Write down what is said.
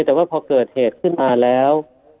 แต่ว่าพอเกิดเหตุขึ้นมาแล้ว